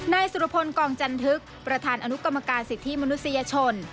นายสุรพลกองจันทึกประธานอนุกรรมการสิทธิมนุษยชน